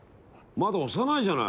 まだ幼いじゃない！